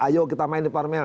ayo kita main di parmen